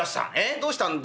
どうしたんだ。